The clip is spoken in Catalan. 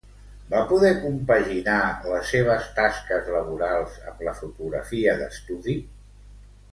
Va poder compaginar les seves tasques laborals amb la fotografia d'estudi?